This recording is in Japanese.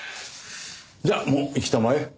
じゃあもう行きたまえ。